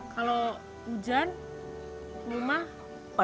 kalau hujan rumah